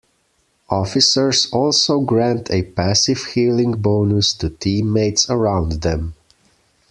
Officers also grant a passive healing bonus to team-mates around them.